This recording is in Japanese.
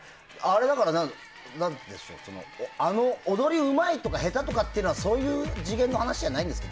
踊りうまいとか下手とかってそういう次元の話じゃないんですか？